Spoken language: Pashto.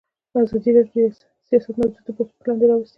ازادي راډیو د سیاست موضوع تر پوښښ لاندې راوستې.